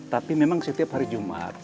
tapi memang setiap hari jumat